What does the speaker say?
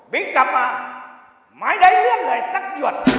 บิ้งกลับมาไม่ได้เลือกเลยสักหยุด